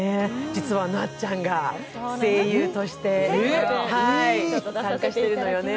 実はなっちゃんが声優として参加しているのよね。